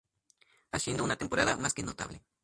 Haciendo una temporada más que notable.